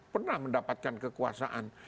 pernah mendapatkan kekuasaan